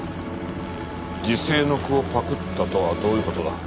辞世の句をパクったとはどういう事だ？